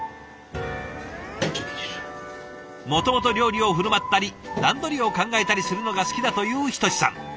もともと料理を振る舞ったり段取りを考えたりするのが好きだという一志さん。